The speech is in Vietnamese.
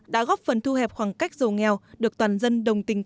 đã góp phần thu hẹp khoảng cách dầu nghèo được toàn dân đồng tình cao